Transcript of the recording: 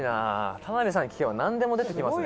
田辺さんに聞けばなんでも出てきますね」